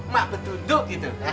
mak betuduk gitu